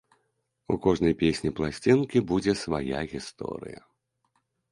У кожнай песні пласцінкі будзе свая гісторыя.